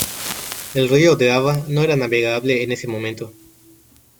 El río Drava no era navegable en ese momento.